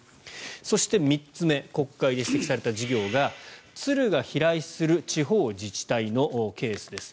そして、３つ目国会で指摘された事業がツルが飛来する地方自治体のケースです。